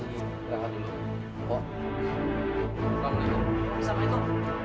insya allah bisa menenangkan warga